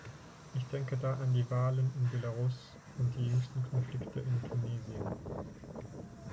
Ich denke da an die Wahlen in Belarus und die jüngsten Konflikte in Tunesien.